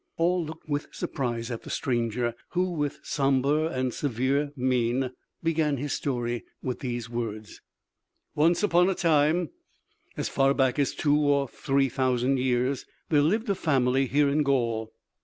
All looked with surprise at the stranger, who with somber and severe mien began his story with these words: "Once upon a time, as far back as two or three thousand years, there lived a family here in Gaul.